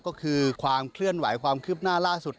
ก็คือความเคลื่อนไหวความคืบหน้าล่าสุด